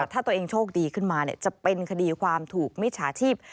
ถ้าตัวเองโชคดีขึ้นมาจะเป็นคดีความถูกมิจฉาชีพ